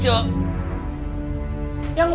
yang ngurusnya itu itu